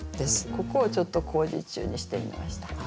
ここをちょっと工事中にしてみました。